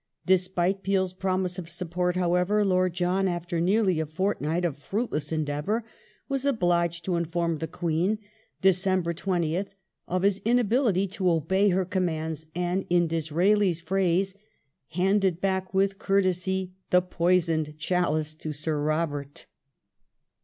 Despite Peel's promise of support, however, Lord John, gj^^^"^"" after nearly a fortnight of fruitless endeavour, was obliged to inform the Queen (Dec. 20th) of his inability to obey her commands, and (in Disraeli's phrase) "handed back with courtesy the poisoned chalice to Sir Robert